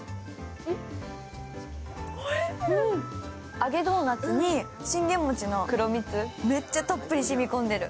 揚げドーナツに信玄餅の黒蜜、めっちゃたっぷり染み込んでる。